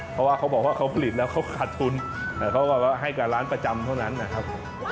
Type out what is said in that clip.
เพราะว่าเขาบอกว่าเขาผลิตแล้วเขาขาดทุนเขาก็ให้กับร้านประจำเท่านั้นนะครับ